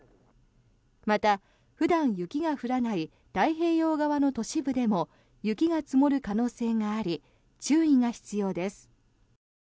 また、普段雪が降らない太平洋側の都市部でも雪が積もる可能性があり注意が必要です。